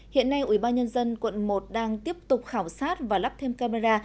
hiện nay ubnd quận một đang tiếp tục khảo sát và lắp thêm camera